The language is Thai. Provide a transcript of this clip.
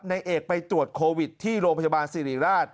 ในเอกไปตรวจโควิดที่โรงพยาบาลสิริราช